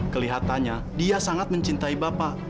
kelihatannya dia sangat mencintai bapak